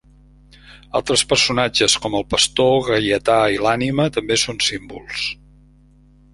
Altres personatges com el pastor, Gaietà, i l'Ànima també són símbols.